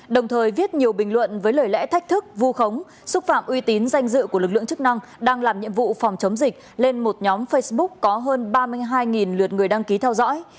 đồng thời viết nhiều bình luận với lời lẽ thách thức vu khống xúc phạm uy tín danh dự của lực lượng chức năng đang làm nhiệm vụ phòng chống dịch lên một nhóm facebook có hơn ba mươi hai lượt người đăng ký theo dõi